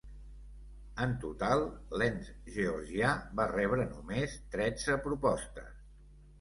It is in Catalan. En total, l'ens georgià va rebre només tretze propostes.